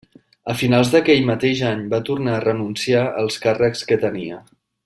A finals d'aquell mateix any va tornar a renunciar els càrrecs que tenia.